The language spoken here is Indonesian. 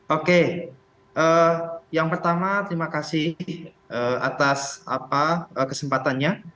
oke yang pertama terima kasih atas kesempatannya